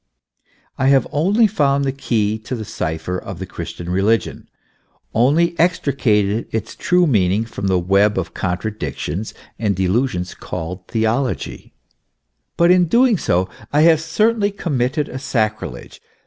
I have only found the key to the cipher of the Christian religion, only extricated its true meaning from the web of contradictions and delusions called theology ; but in doing so I have certainly committed a sacrilege.